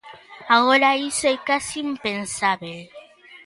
Agora iso é case impensábel.